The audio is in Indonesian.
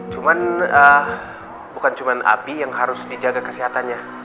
cuman bukan cuma api yang harus dijaga kesehatannya